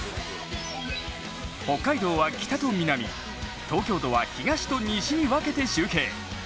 北海道は北と南、東京都は東と西に分けて集計。